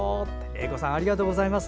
榮子さん、ありがとうございます。